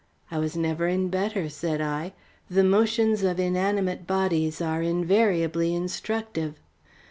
"I was never in better," said I. "The motions of inanimate bodies are invariably instructive."